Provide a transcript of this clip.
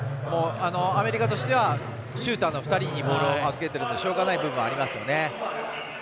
アメリカとしてはシューターの２人にボールを預けてるのでしょうがない部分もありますよね。